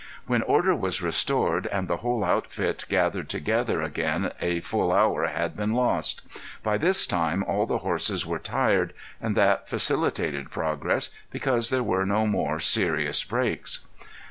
When order was restored and the whole outfit gathered together again a full hour had been lost. By this time all the horses were tired, and that facilitated progress, because there were no more serious breaks.